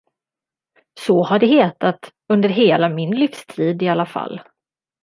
Så har det hetat under hela min livstid, i alla fall.